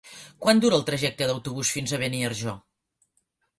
Quant dura el trajecte en autobús fins a Beniarjó?